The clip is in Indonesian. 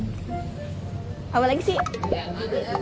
butuh anaknya gua kangen sama diaoba